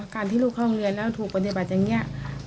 การที่ลูกเข้าโรงเรียนแล้วถูกปฏิบัติอย่างนี้